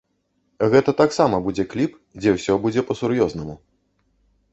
Гэта таксама будзе кліп, дзе ўсё будзе па-сур'ёзнаму.